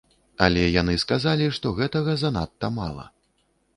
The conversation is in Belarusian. Але яны сказалі, што гэтага занадта мала.